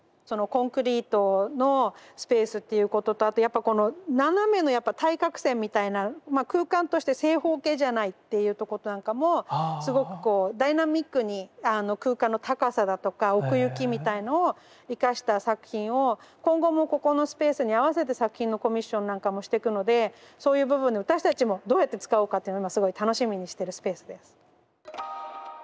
コンクリートのスペースっていうこととあとやっぱこの斜めの対角線みたいなまあ空間として正方形じゃないっていうとこなんかもすごくこうダイナミックに空間の高さだとか奥行きみたいのを生かした作品を今後もここのスペースに合わせて作品のコミッションなんかもしてくのでそういう部分で私たちもどうやって使おうかって今すごい楽しみにしてるスペースです。